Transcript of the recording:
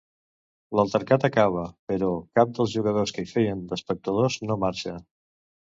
L'altercat acaba, però cap dels jugadors que hi feien d'espectadors no marxa.